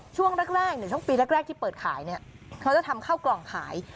ช่วงแรกช่วงปีแรกที่เปิดขายเขาจะทำข้าวกล่องขาย